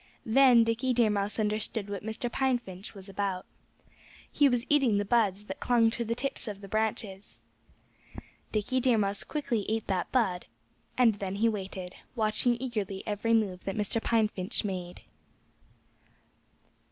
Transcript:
Then Dickie Deer Mouse understood what Mr. Pine Finch was about. He was eating the buds that clung to the tips of the branches. Dickie Deer Mouse quickly ate that bud; and then he waited, watching eagerly every move that Mr. Pine Finch made.